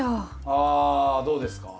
あどうですか？